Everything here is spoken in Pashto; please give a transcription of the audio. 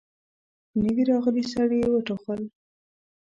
نوي راغلي سړي وټوخل.